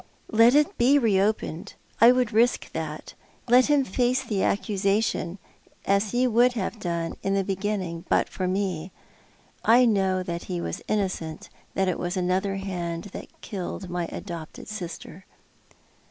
" Let it be re opened. I would risk that. Let him face the accusation, as he would have done in the beginning, but for me. I know that he was innocent — that it was another hand that killed my adopted sister."